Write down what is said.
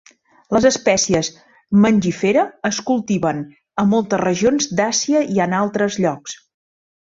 Les espècies "mangifera" es cultiven a moltes regions d'Àsia i en altres llocs.